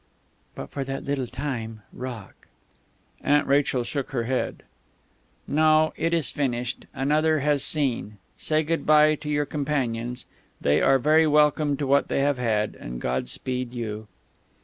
"But for that little time, rock " Aunt Rachel shook her head. "No. It is finished. Another has seen.... Say good bye to your companions; they are very welcome to what they have had; and God speed you."